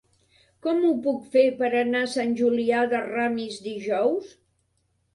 Com ho puc fer per anar a Sant Julià de Ramis dijous?